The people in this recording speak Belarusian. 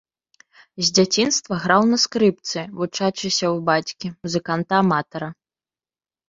З дзяцінства граў на скрыпцы, вучачыся ў бацькі, музыканта-аматара.